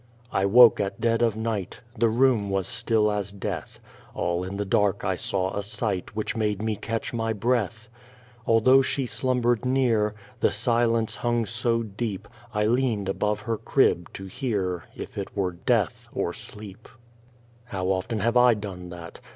I woke at dead of night ; The room was still as death ; All in the dark I saw a sight Which made me catch my breath. Although she slumbered near, The silence hung so deep, I leaned above her crib to hear If it were death or sleep. 16 The Child Face How often I have done that